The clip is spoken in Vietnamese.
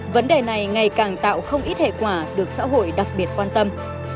vấn đề này ngày càng tạo không ít hệ quả được xã hội đặc biệt quan tâm